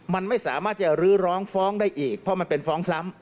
มันไม่สามารถจะรื้อร้องฟ้องได้อีกเพราะมันเป็นฟ้องซ้ำ